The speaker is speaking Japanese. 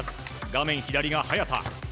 画面左が早田。